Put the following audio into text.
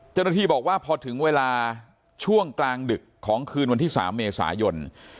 เจ้าหน้าที่บอกว่าพอถึงเวลาช่วงกลางดึกของคืนวันที่๓เมษายน